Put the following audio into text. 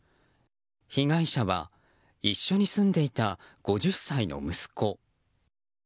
被害者は一緒に住んでいた５０歳の息子。